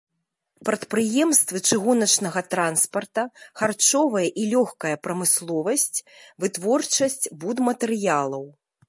Прадпрыемствы чыгуначнага транспарта, харчовая і лёгкая прамысловасць, вытворчасць будматэрыялаў.